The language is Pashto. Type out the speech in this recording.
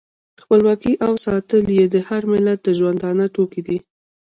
خپلواکي او ساتل یې د هر ملت د ژوندانه توکی دی.